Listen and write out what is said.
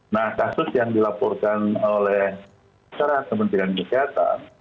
nah kasus yang dilaporkan oleh secara kementerian kesehatan